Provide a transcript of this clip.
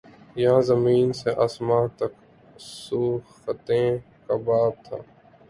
یاں زمیں سے آسماں تک سوختن کا باب تھا